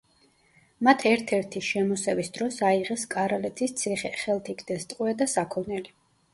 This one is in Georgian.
მათ ერთ-ერთი შემოსევის დროს აიღეს კარალეთის ციხე, ხელთ იგდეს ტყვე და საქონელი.